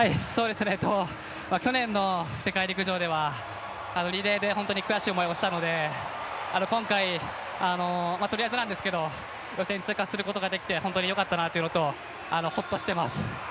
去年の世界陸上ではリレーで本当に悔しい思いをしたので今回、とりあえずなんですけど予選通過することができて本当によかったなというのと、ホッとしています。